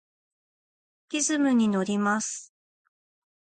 リズムにのります。